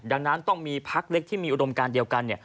ดังนั้นต้องมีพักเล็กที่มีอุดมการเดียวกัน